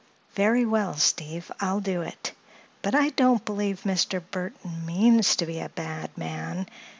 "Very well, Steve; I'll do it. But I don't believe Mr. Burthon means to be a bad man.